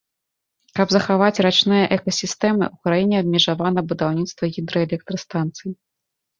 Каб захаваць рачныя экасістэмы, у краіне абмежавана будаўніцтва гідраэлектрастанцый.